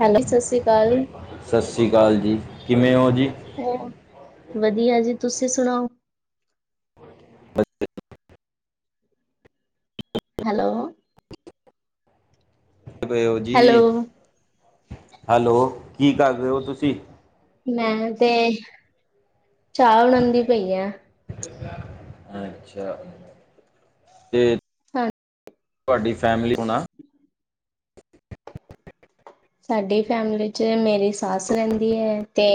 Hello ਸਤਿ ਸ੍ਰੀ ਅਕਾਲ ਸਾਸਰੀ ਕਾਲ ਜੀ, ਕਿਵੇਂ ਹੋ ਜੀ? ਵਧੀਆ ਜੀ, ਤੁਸੀਂ ਸੁਣਾਓ? ਹੈਲੋ। ਪਏ ਔ ਜੀ ਹੈਲੋ ਹੈਲੋ, ਕੀ ਕਰ ਰਹੇ ਔ ਤੁਸੀ? ਮੈਂ ਤੇ, ਚਾਹ ਬਣਾਂਦੀ ਪਈ ਆ। ਅੱਛਾ, ਤੇ ਹਾਂ ਤੁਹਾਡੀ ਫੈਮਿਲੀ ਹੁਣ ਆ। ਸਾਡੀ ਫੈਮਲੀ ਚ ਮੇਰੀ ਸੱਸ ਰੈਂਦੀ ਏ, ਤੇ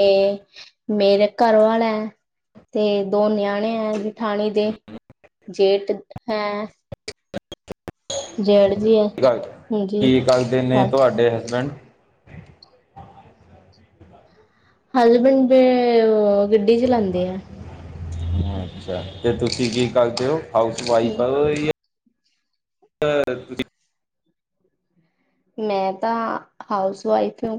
ਮੇਰੇ ਘਰਵਾਲਾ ਹੈ, ਤੇ ਦੋ ਨਿਆਣੇ ਐ ਜਠਾਣੀ ਦੇ ਜੇਠ ਹੈਂ। ਕੀ ਗੱਲ? ਹਾਂਜੀ ਕੀ ਕਰਦੇ ਨੇ ਤੁਹਾਡੇ ਹਸਬੈਂਡ? ਹੱਲੇ ਬਿੰਬੇ ਗੱਡੀ ਚਲਾਂਦੇ ਐ। ਅੱਛਾ, ਤੇ ਤੁਸੀਂ ਕੀ ਕਰਦੇ ਔ? ਹਾਊਸ ਵਾਈਫ ਅ ਮੈਂ ਤਾਂ ਹਾਊਸ ਵਾਈਫ ਹ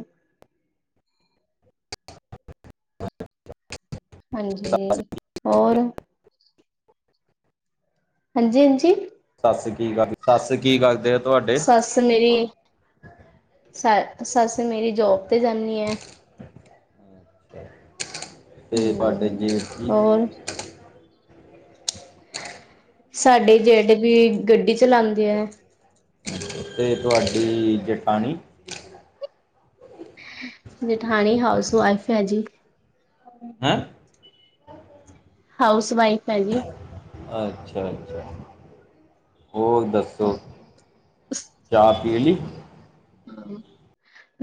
ਹਾਂਜੀ, ਹੋਰ? ਹਾਂਜੀ, ਹਾਂਜੀ। ਸੱਸ ਕੀ ਕਰਦੇ, ਸੱਸ ਕੀ ਕਰਦੇ ਆ ਤੁਹਾਡੇ? ਸੱਸ ਮੇਰੀ ਸੱਸ ਮੇਰੀ ਜੋਬ ਤੇ ਜਾਨੀ ਐ। ਤੇ ਤਾਡੇ ਹਮ ਜੇਠ ਜੀ? ਹੋਰ ਸਾਡੇ ਜੇਠ ਵੀ ਗੱਡੀ ਚਲਾਂਦੇ ਐ। ਤੇ ਤੁਹਾਡੀ ਜਠਾਣੀ? ਜਠਾਣੀ ਹਾਊਸ ਵਾਈਫ ਹੈ ਜੀ। ਹੈਂ ਹਾਊਸ ਵਾਈਫ ਹੈਗੀ। ਅੱਛਾ-ਅੱਛਾ ਹੋਰ ਦੱਸੋ? ਕਿਆ ਰੇਲੀ। ਹੂੰ।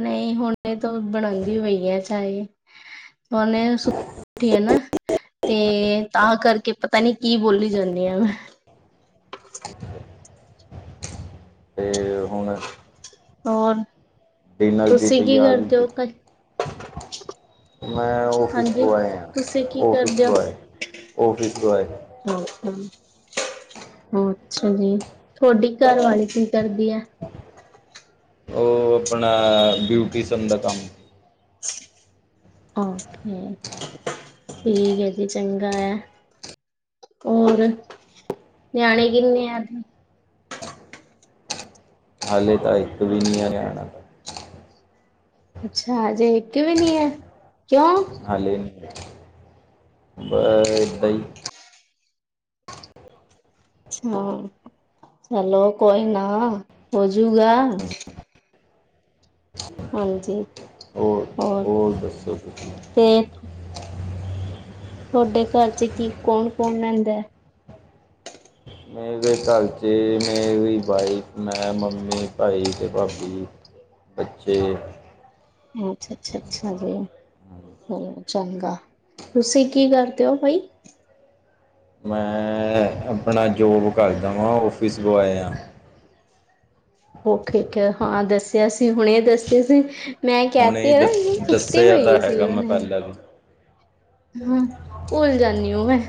ਨਹੀ, ਹੁਣੇ ਤੋਂ ਬਣਾਦੀ ਪਈ ਆ ਚਾਅ ਔਨੇ ਉਠੀ ਆ ਨਾ, ਤੇ ਤਾਂ ਕਰਕੇ ਪਤਾ ਨੀ ਕੀ ਬੋਲੀ ਜਾਨੀ ਆ ਮੈ। ਤੇ ਹੁਣ ਔਰ ਡਿਨਰ ਦੀ ਤੁਸੀ ਕੀ ਤਿਆਰੀ ਕਰਦੇ ਔ? ਮੈ ਔਫਿਸ ਹਾਂਜੀ ਤੋ ਆਏ ਆ, ਤੁਸੀਂ ਕੀ ਔਫੀਸ ਕਰਦੇ ਹੋ ਤੋ ਆਏ, ਔਫਿਸ ਤੋ ਆਏ। [unintelligible] ਅੱਛਾ ਜੀ। ਤੁਹਾਡੀ ਘਰਵਾਲੀ ਕੀ ਕਰਦੀ ਐ? ਔਹ ਆਪਣਾ, ਬਿਊਟੀਜ਼ਮ ਦਾ ਕੰਮ। ਔਕੇ। ਠੀਕ ਹੈ ਜੀ, ਚੰਗਾ ਐ। ਔਰ, ਨਿਆਣੇ ਕਿੰਨੇ ਆ? ਹੱਲੇ ਤਾਂ ਇੱਕ ਵੀ ਨਈ ਆ ਨਿਆਣਾ ਤੇ। ਅੱਛਾ! ਅਜੇ ਇੱਕ ਵੀ ਨੀ ਹੈ। ਕਿਉਂ? ਬ ਏਦਾਂ ਹੀ ਹਾਂ। ਚਲੋ ਕੋਈ ਨਾ ਹੋਜੂਗਾ। ਹਾਂਜੀ। ਹੋਰ, ਸਭ ਕੁਛ ਤੇ ਤੁਹਾਡੇ ਘਰ ਚ ਕੀ ਕੌਣ-ਕੌਣ ਨੁਹਦਾ ਹੈ। ਅੱਜ ਦੇ ਘਰ 'ਚ ਮੇਰੀ ਵਾਈਫ ਮੈਂ ਮੰਮੀ ਭਾਈ ਅਤੇ ਭਾਬੀ ਜੀ। ਅੱਛੇ ਅੱਛਾ-ਅੱਛਾ-ਅੱਛਾ ਜੀ। ਚਲੋ ਚੰਗਾ। ਤੁਸੀਂ ਕੀ ਕਰਦੇ ਹੋ ਬਾਈ? ਮੈਂ ਆਪਣਾ ਜੋਬ ਕਰਦਾ ਵਾਂ ਔਫੀਸ ਵੇਗਾਰ । ਓਕੇ- ਓਕੇ, ਹਾਂ, ਦੱਸਿਆ ਸੀ ਹੁਣੇ ਦੱਸਿਆ ਸੀ। ਮੈਂ ਕਹਿ ਹੁਣੇ ਤੇ ਹੀ ਆ ਦ ਨਾ ਕੁੱਤੇ ਦੱਸਿਆ ਤਾਂ ਪਈ ਸੀ। ਹੈਗਾ ਮੈਂ ਉਹਨੇ ਪਹਿਲਾਂ ਵੀ ਹਾਂ। ਭੁੱਲ ਜਾਂਦੀ ਹਾਂ ਮੈਂ,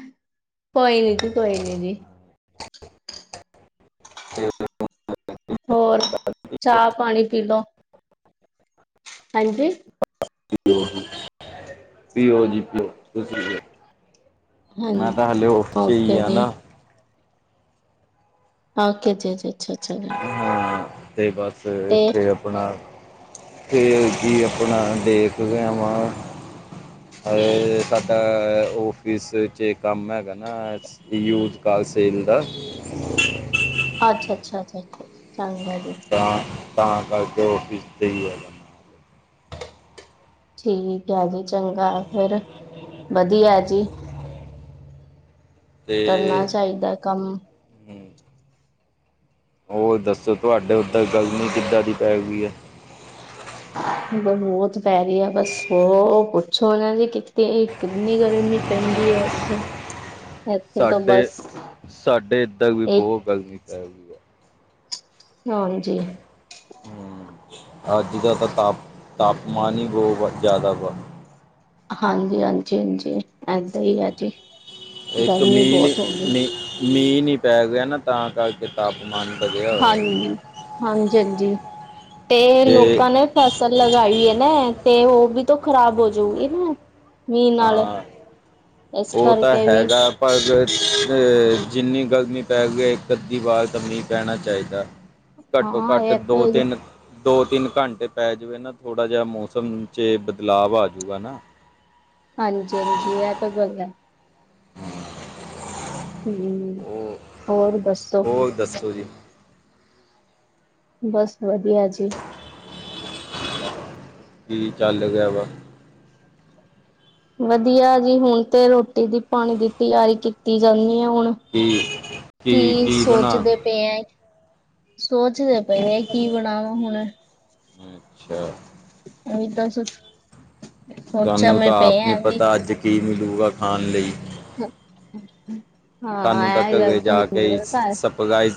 ਕੋਈ ਨੀ ਜੀ ਕੋਈ ਨੀ ਜੀ। ਹੋਰ, ਚਾਹ -ਪਾਣੀ ਪੀ ਲੋੋ। ਹਾਂਜੀ। ਪੀਓ ਜੀ, ਪੀਓ। ਮੈਂ ਹਾਂਜੀ ਤਾਂ ਹਾਲੇ ਉਠ ਕੇ ਹੀ ਓਕੇ ਗਿਆ ਜੀ ਨਾ। ਓਕੇ ਜੀ-ਜੀ ਅੱਛਾ-ਅੱਛਾ ਜੀ। ਅਤੇ ਬਸ ਤੇ ਇੱਥੇ ਆਪਣਾ ਖੇਲ ਜ ਆਪਣਾ ਦੇਖਦੇ ਵਾਂ। ਸਾਡਾ ਆਫਿਸ ਚ ਕੰਮ ਹੈਗਾ ਨਾ ਯੂ ਤਸੀਲ ਦਾ ਅੱਛਾ'ਅੱਛਾ-ਅੱਛਾ-ਅੱਛਾ ਜੀ। ਹਾਂ, ਤਾਂ ਤਾਂ ਕਰਕੇ ਔਫਿਸ ਦੇ ਹੀ ਆ। ਠੀਕ ਆ ਜੀ, ਚੰਗਾ, ਫੇਰ ਵਧੀਆ ਜੀ। ਕਰਨਾ ਤੇ ਚਾਹੀਦਾ ਕੰਮ। ਉਹ ਦੱਸੋ, ਤੁਹਾਡੇ ਓਦਰ ਗੱਲ ਨੀ ਕਿੱਦਾਂ ਦੀ ਪੈ ਗਈ ਹੈ। ਬਹੁਤ ਪੈ ਰਹੀ ਹੈ। ਬਸ ਉਹ ਪੁੱਛੋ ਉਹਨਾਂ ਦੀ ਕਿਤੇ ਕਿੰਨੀ ਗਰਮੀ ਪੈਂਦੀ ਹੈ। ਇੱਥੇ ਇੱਥੇ ਤਾਂ ਸਾਡੇ ਬਸ -ਸਾਡੇ ਏਦਾਂ ਵੀ ਇੱਕ ਬਹੁਤ ਗਰਮੀ ਪੈ ਗਈ ਆ। ਹਾਂਜੀ। ਹਮ, ਅੱਜ ਦਾ ਤਾਂ ਤਾਪ- ਤਾਪਮਾਨ ਹੀ ਬਹੁਤ ਜ਼ਿਆਦਾ ।ਵਹੁ ਹਾਂਜੀ-ਹਾਂਜੀ-ਹਾਂਜੀ ਏਦਾਂ ਹੀ ਆ ਜੀ। ਇੱਕ ਗਰਮੀ ਮੀਂਹ ਨੀ ਬਹੁਤ ਹੋ ਗਈ ਮੀਂਹ- ਮੀਂਹ ਨੀ ਪੈ ਗਿਆ। ਨਾ ਤਾਂ ਕਰਕੇ ਤਪ ਹਾਂਜੀ-ਹਾਂਜੀ-ਹਾਂਜੀ। ਤੇ ਜੇ ਲੋਕਾਂ ਨੇ ਫਸਲ ਲਗਈ ਹੈ ਨਾ ਤੇ ਉਹ ਵੀ ਖਰਾਬ ਹੋ ਜਾਊਗੀ ਨਾ। ਮੀਂਹ ਨਾਲ ਹਾਂ ਇਸ ।ਉਹ ਤਾਂ ਕਰਕੇ ਵੀ ਹੈਗਾ। ਪਰ ਅ ਜਿੰਨੀ ਗਰਮੀ ਪੈ ਗਈ। ਇੱਕ -ਅੱਧੀ ਵਾਰ ਤਾਂ ਮੀਂਹ ਪੈਣਾ ਚਾਹੀਦਾ। ਹਾਂ ਘੱਟੋ-ਘੱਟ ਇਹ ਦੋ ਤਾਂ ਤਿੰਨ ਦੋ ਤਿੰਨ ਘੰਟੇ ਪੈ ਜਾਵੇ ਨਾ ਥੋੜ੍ਹਾ ਜਿਹਾ ਮੌਸਮ 'ਚ ਬਦਲਾਵ ਆਜੂਗਾ ਨਾ ਹਾਂਜੀ-ਹਾਂਜੀ ਇਹ ਤਾਂ ਗੱਲ ਹੈ ਹੂੰ ਹੂੰ, ਹੋਰ ਦੱਸੋ? ਹੋਰ ਦੱਸੋ ਜੀ ਬਸ ਵਧੀਆ ਜੀ ਕੀ ਚੱਲ ਗਿਆ ਵਾ ਵਧੀਆ ਜੀ ਹੁਣ ਤੇ ਰੋਟੀ ਦੀ ਪਾਣੀ ਦੀ ਤਿਆਰੀ ਕੀਤੀ ਜਾਂਦੀ ਹੈ ਹੁਣ ਕੀ ਕੀ ਸੋਚਦੇ ਪਏ ਐ ਸੋਚਦੇ ਪਏ ਹੈ ਕੀ ਬਣਾਵਾਂ ਹੁਣ ਅੱਛਾ। ਓਹੀ ਤਾਂ ਸੁ ਸਾਨੂੰ ਤਾਂ ਆਪ ਨਹੀਂ ਪਤਾ ਅੱਜ ਕੀ ਮਿਲਲੇਗਾ ਖਾਣ ਲਈ। [inaudible] ਸਾਨੂੰ ਤਾਂ ਹਾਂ ਇਹ ਘਰੇ ਗੱਲ ਤਾਂ ਜਾ ਕੇ ਹੁੰਦੀ ਆ ਘਰ ਸਪਰਾਇਜ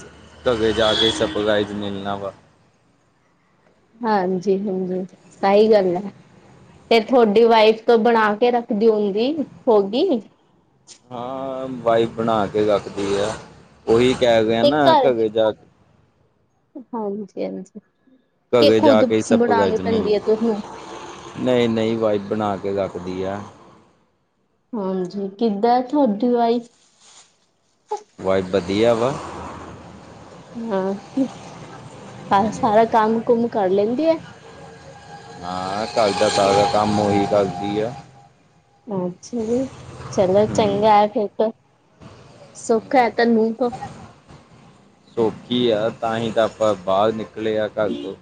ਘਰੇ ਜਾ ਕੇ ਸ ਸਪ੍ਰਾਈਜ ਮਿਲਣਾ ਵਾ। ਹਾਂਜੀ, ਹਾਂਜੀ ਸਹੀ ਗੱਲ ਹੈ। ਤੇ ਤੁਹਾਡੀ ਵਾਈਫ ਤੋਂ ਬਣਾ ਕੇ ਰੱਖਦੀ ਹੁੰਦੀ ਹੋਗੀ। ਹਾਂ ਵਾਈਫ ਬਣਾ ਕੇ ਰੱਖਦੀ ਐ, ਉਹੀ ਕਹਿ ਗ ਤੇ ਨਾ ਘਰ ਘਰੇ ਜਾ ਕੇ ਹਾਂਜੀ, ਹਾਂਜੀ ਕਿ ਘਰੇ ਜਾ ਖੁਦ ਕੇ ਬਣਾਉਣੀ ਸੱਪਰਾਈਜ ਪੈਂਦੀ ਮਿਲੂਗਾ ਹੈ ਤੁਸਨੂੰ ਗਾ ਨਹੀਂ, ਨਹੀਂ ਵਾਈ ਬਣਾ ਕੇ ਰਖ ਦਿਆਂ। ਹਾਂਜੀ ਕਿੱਦਾਂ ਤੁਹਾਡੀ ਵਾਈਫ? ਵਾਈਫ ਵਧੀਆ ਵਾ। ਹਾਂ ਸਾਰਾ ਕੰਮ ਕੁਮ ਕਰ ਲੈਂਦੀ ਏ। ਹਾਂ ਘਰ ਦਾ ਸਾਰਾ ਕੰਮ ਹੀ ਕਰਦੀ ਆ। ਅੱਛਾ ਜੀ, ਚਲੋ ਹੂੰ ਚੰਗਾ ਹੈ ਫਿਰ ਤਾ ਸੁਖ ਹੈ। ਤੇਨੂੰ ਸੌਖੀ ਆ ਤਾਂ ਹੀ ਤਾਂ ਆਪਾਂ ਬਾਹਰ ਨਿਕਲੇ ਆ ਘਰ ਤੋਂ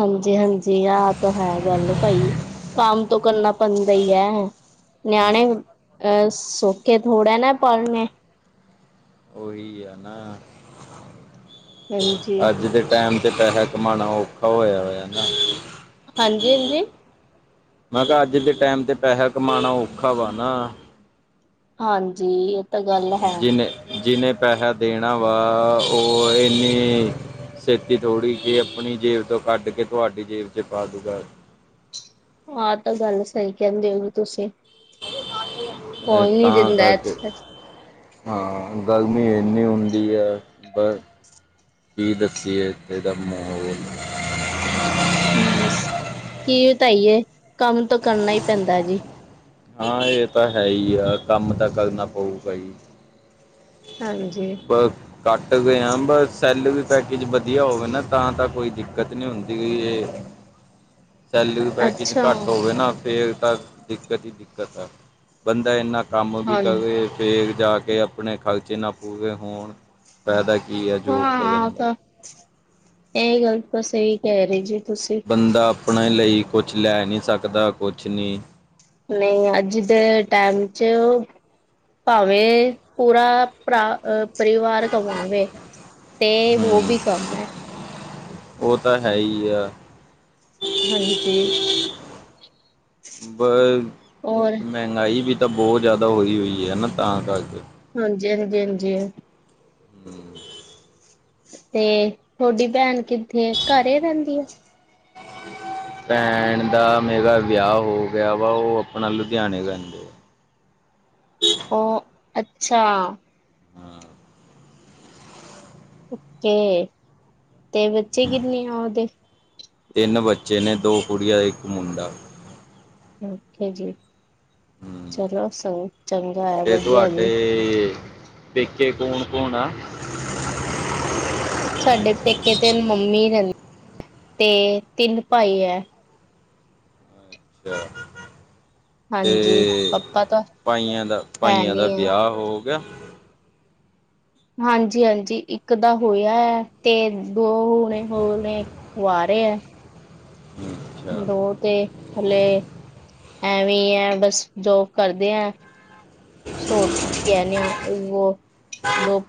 ਹਾਂਜੀ, ਹਾਂਜੀ ਆਹ ਤਾਂ ਹੈ ਗੱਲ ਭਾਈ ਕੰਮ ਤੋਂ ਕਰਨਾ ਬਦੇ ਹੀ ਹੈ ਨਿਆਣੇ ਹੂੰ ਅਹ ਸੋਖੇ ਥੋੜਾ ਨਾ ਪਲਨਣੇ ਉਹੀ ਆ ਨਾ ਹਾਂਜੀ। ਅੱਜ ਦੇ ਟਾਈਮ ਚ ਪੈਹੈ ਕਮਾਣਾ ਔਖਾ ਹੋਇਿਆ ਹੋਇਆ ਨਾ। ਹਾਂਜੀ, ਹਾਂਜੀ ਮੈਂ ਕਿਹਾ ਅੱਜ ਦੇ ਟਾਈਮ ਤੇ ਪੈਸਾ ਕਮਾਉਣਾ ਔਖਾ ਵਾ ਨਾ। ਹਾਂਜੀ ਇਹ ਤਾਂ ਗੱਲ ਹੈ। ਜਿਹਨੇ ਜਿਹਨੇ ਪੈਸਾ ਦੇਣਾ ਵਾ ਉਹ ਇੰਨੀ ਛੇਤੀ ਥੋੜ੍ਹੀ ਕਿ ਆਪਣੀ ਜੇਬ ਤੋਂ ਕੱਢ ਕੇ ਤੁਹਾਡੀ ਜੇਬ ਚ ਪਾ ਦੂਗਾ। ਆਹ ਤਾਂ ਗੱਲ ਸਹੀ ਕਹਿੰਦੇ ਹੋਗੀ ਤੁਸੀਂ। ਇਹ ਕੌਣ ਨੀ ਤਾਂ ਦਿੰਦਾ ਕਰਕੇ ਇੱਥੇ ਹਾਂ। ਗਰਮੀ ਇਨੀ ਹੁੰਦੀ ਹੈ ਬਸ ਕੀ ਦੱਸੀਏ ਇਹਦਾ ਮਾਹੌਲ ਬਸ ਕੀ ਵਤਾਈਏ ਕੰਮ ਤੋਂ ਕਰਨਾ ਹੀ ਪੈਂਦਾ ਜੀ। ਹਾਂ ਇਹ ਤਾਂ ਹੈ ਹੀ ਆ ਕੰਮ ਤਾਂ ਕਰਨਾ ਪਊਗਾ ਈ। ਹਾਂਜੀ। ਬ ਕੱਟ ਰੇ ਆ ਬਸ ਸੈੱਲ ਵੀ ਪੈਕੇਜ ਵਧੀਆ ਹੋਵੇ ਨਾ ਤਾਂ ਤਾਂ ਕੋਈ ਦਿੱਕਤ ਨਹੀਂ ਹੁੰਦੀ ਇਹ ਸੈਲਰੀ ਪੈਕੇਜ ਅੱਛਾ ਘੱਟ ਹੋਵੇ ਨਾ ਫਿਰ ਤਾਂ ਦਿੱਕਤ ਹੀ ਦਿੱਕਤ ਹੈ ਬੰਦਾ ਇੰਨਾ ਕੰਮ ਵੀ ਹਾਂ ਕਰੇ ਫੇਰ ਜਾ ਕੇ ਆਪਣੇ ਖਰਚੇ ਨਾ ਪੂਰੇ ਹੋਣ ਫੈਦਾ ਕੀ ਹੈ ਜੋਬ ਹਾਂ ਕਰਨ ਦਾ। ਤਾਂ ਇਹ ਗੱਲ ਤਾਂ ਸਹੀ ਕਹਿ ਰਹੀ ਜੀ। ਤੁਸੀਂ ਬੰਦਾ ਆਪਣੇ ਲਈ ਕੁਛ ਲੈ ਨਹੀਂ ਸਕਦਾ ਕੁਛ ਨਹੀਂ ਨਹੀਂ, ਅੱਜ ਦੇ ਟਾਈਮ ਚ। ਭਾਵੇਂ ਪੂਰਾ ਭਰਾ ਅਹ। ਪਰਿਵਾਰ ਕਮਾਵੇ ਤੇ ਵੋ [unintelligible] ਵੀ ਹੂੰ। ਕੰਮ ਹੈ। [unintelligible] ਉਹ ਤਾਂ ਹੈ ਹੀ ਆ। ਹਾਂਜੀ ਬ ਔਰ ਮਹਿੰਗਾਈ ਵੀ ਤਾਂ। ਤਾਂ ਬਹੁਤ ਜ਼ਿਆਦਾ ਹੋਈ ਹੋਈ ਹੈ ਨਾ ਤਾਂ ਕਰਕੇ। ਹਾਂਜੀ ਹਾਂ ਜੀ ਹਾਂ ਜੀ। ਹੂੰ। ਤੇ ਤੁਹਾਡੀ ਭੈਣ ਕਿੱਥੇ ਘਰੇ ਰਹਿੰਦੀ ਆ? ਭੈਣ ਦਾ ਮੇਰਾ ਵਿਆਹ ਹੋ ਗਿਆ ਵਾ ਉਹ ਆਪਣਾ ਲੁਧਿਆਣੇ ਰਹਿੰਦੇ ਆ। ਉਹ ਅੱਛਾ। ਹਾਂ ਓਕੇ ਤੇ ਬੱਚੇ ਕਿੰਨੇ ਆ ਉਹਦੇ? ਤਿੰਨ ਬੱਚੇ ਨੇ ਦੋ ਕੁੜੀਆਂ ਇੱਕ ਮੁੰਡਾ। ਓਕੇ ਜੀ, ਹੂੰ। ਚਲੋ, ਸਬ ਚੰਗਾ ਆ ਵਧੀਆ ਜੀ। ਦੇਖੇ ਕੌਣ ਕੌਣ ਆ। ਸਾਡੇ ਪੇਕੇ ਤੇ ਮੰਮੀ ਰਹਿੰਦੀ ਤੇ ਤਿੰਨ ਭਾਈ ਹੈ। ਅੱਛਾ। ਹਾਂਜੀ ਤੇ ਪਾਪਾ ਤਾਂ ਭਾਈਆਂ ਦਾ ਹੈ ਭਾਈਆਂ ਦਾ ਨੀ ਹੈ ਵਿਆਹ ਹੋਊ। ਵਿਆਾਹ ਹਾਂਜੀ, ਹਾਂਜੀ ਇੱਕ ਦਾ ਹੋਇਆ ਹੈ ਤੇ ਦੋ ਹੁਣ ਹੋਰ ਨੇ ਕੁਆਾਰੇ। ਇਹ ਆ। ਅੱਛਾ। ਦੋ ਤੇ ਹਲੇ। ਐਵੇਂ ਹੈ, ਬਸ ਜੋ ਕਰਦੇ ਐ। ਛੋੜ ਕੇ ਆਨੇ ਆ ਦੋ।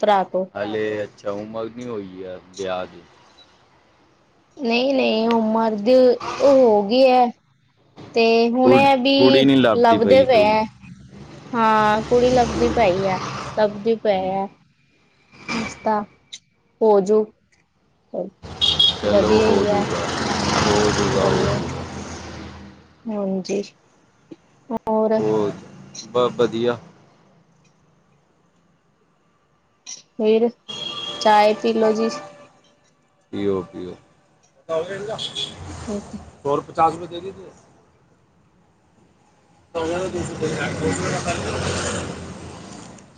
ਭਰਾ ਤੋਂ ਹਲੇ, ਅੱਛਾ ਉਮਰ ਨਹੀ ਹੋਈ ਏ ਵਿਆਹ ਦੀ। ਨਹੀਂ ਨਹੀਂ ਉਹ ਮਰਦ ਤੋਂ ਹੋ ਗਈ ਹੈ ਤੇ। ਕੁ ਹੁਣੇ ਇਹ ਕੁੜੀ ਬਈ ਨੀ ਲੱਭਦੀ ਲੱਭਦੇ ਪਈ ਪਏ ਕੋਈ ਐ। ਹਾਂ ਕੁੜੀ ਲੱਭਦੀ ਪਈ ਹੈ ਲੱਭਦੇ ਪਏ ਆ। ਨਸਤਾ [inaudible] ਹੋਜੂ ਚਲੋ ਵਧੀਆ ਹੋ ਹੀ ਹੈ ਜੂਗਾ। ਮੰਮੀ। ਹੋ ਹਾਂਜੀ, ਹੋਰ? ਬਸ ਵਧੀਆ। ਫਿਰ ਚਾਏ [unintelligible] ਪੀ ਲੋੋ ਜੀ। ਪੀ ਓ ਪੀ ਓ। ਮਕ [inaudible] ਪਚਾਸ [unintelligible] ਰੁਪਏ ਦੇ ਦਿਓ। [inaudible]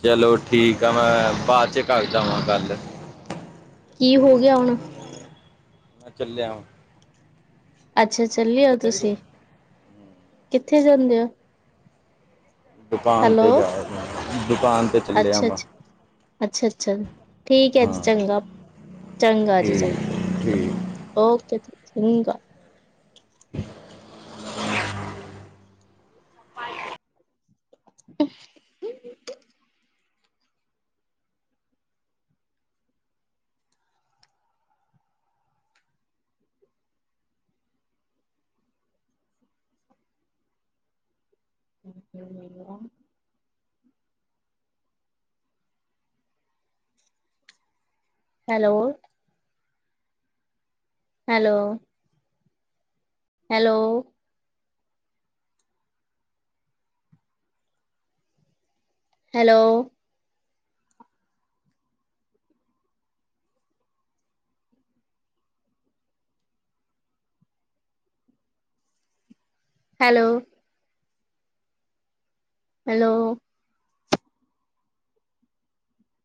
ਚਲੋ। ਠੀਕ ਆ ਮੈਂ ਬਾਅਦ 'ਚ ਕਰਦਾ ਵਾਂ ਗੱਲ। ਕੀ ਹੋ ਗਿਆ ਹੁਣ? ਮੈਂ ਚੱਲਿਆ ਵਾਂ। ਅੱਛਾ, ਚੱਲੇ ਉਹ ਤੁਸੀਂ ਕਿੱਥੇ ਜਾਂਦੇ ਹੋ? ਦੁਕਾਨ ਤੇ ਜਾ ਰਿਹਾ। ਅੱਛਾ ਅੱਛਾ ਅੱਛਾ ਅੱਛਾ ਠੀਕ ਹੈ ਹਾਂ ਚੰਗਾ। ਚੰਗਾ ਜੀ, ਠੀਕ ਚੰਗਾ, ਠੀਕ ਓਕੇ ਚੰਗਾ। ਅ ਮੈਂਨੂੰ ਮਿਲ ਲਓ। Hello. Hello hello hello hello hello